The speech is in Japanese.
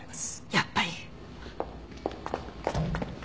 やっぱり。